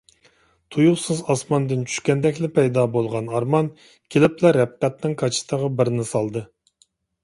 تۇيۇقسىز ئاسماندىن چۈشكەندەكلا پەيدا بولغان ئارمان كېلىپلا رەپقەتنىڭ كاچىتىغا بىرنى سالدى.